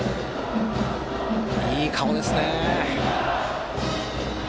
いい顔ですね。